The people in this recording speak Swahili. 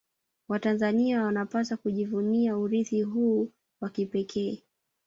watanzania wanapaswa kujivunia urithi huu wa kipekee